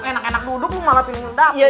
enak enak duduk lu malah pindah ke dapur